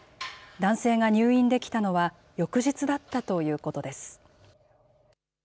男性が入院できたのは、翌日だったということです。